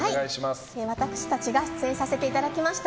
私たちが出演させていただきました